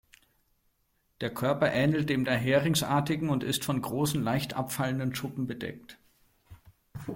Der Körper ähnelt dem der Heringsartigen und ist von großen, leicht abfallenden Schuppen bedeckt.